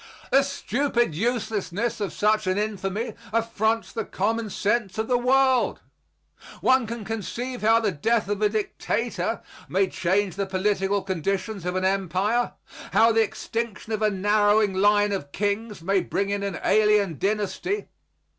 The stupid uselessness of such an infamy affronts the common sense of the world. One can conceive how the death of a dictator may change the political conditions of an empire; how the extinction of a narrowing line of kings may bring in an alien dynasty.